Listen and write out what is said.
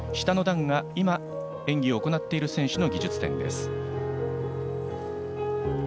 下の段が今、演技を行っている選手の技術点です。